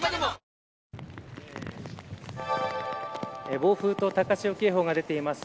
暴風と高潮警報が出ています。